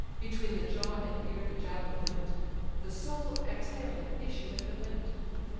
Between the jaw and ear the javelin went; The soul, exhaling, issued at the vent.